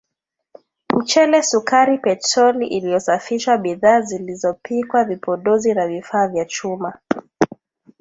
mchele sukari petroli iliyosafishwa bidhaa zilizopikwa vipodozi na vifaa vya chuma